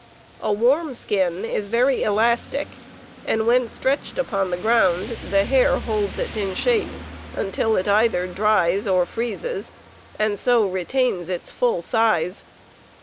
A warm skin is very elastic, and when stretched upon the ground the hair holds it in shape until it either dries or freezes, and so retains its full size.